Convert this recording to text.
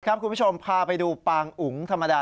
คุณผู้ชมพาไปดูปางอุ๋งธรรมดา